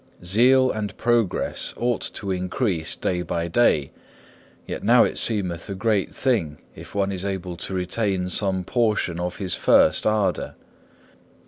Zeal and progress ought to increase day by day; yet now it seemeth a great thing if one is able to retain some portion of his first ardour.